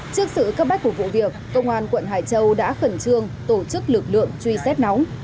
trước sự cấp bách của vụ việc công an quận hải châu đã khẩn trương tổ chức lực lượng truy xét nóng